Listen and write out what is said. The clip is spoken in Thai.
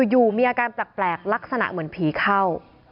อยู่มีอาการแปลกลักษณะเหมือนผีเข้า